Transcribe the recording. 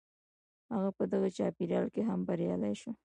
هغه په دغه چاپېريال کې هم بريالی شو.